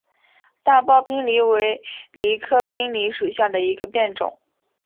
大苞滨藜为藜科滨藜属下的一个变种。